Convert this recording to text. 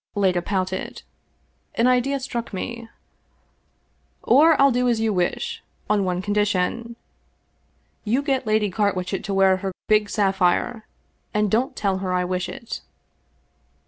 Leta pouted. An idea struck me. " Or I'll do as 279 English Mystery Stories you wish, on one condition. You get Lady Carwitchet to wear her big sapphire, and don't tell her I wish it."